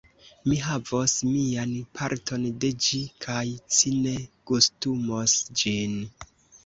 Mi havos mian parton de ĝi, kaj ci ne gustumos ĝin.